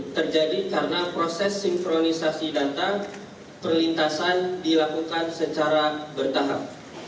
terjadi karena proses sinkronisasi data perlintasan dilakukan secara bertahap